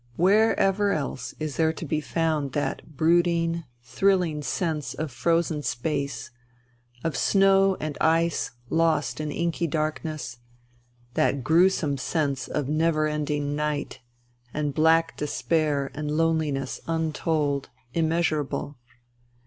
Wherever else is there to be found that brooding, thrilling sense of frozen space, of snow and ice lost in inky darkness, that gruesome sense of never ending night, and black despair and loneli ness untold, immeasurable